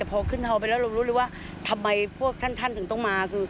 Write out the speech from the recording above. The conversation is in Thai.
แต่พอขึ้นทอไปแล้วเรารู้เลยว่าทำไมพวกท่านถึงต้องมา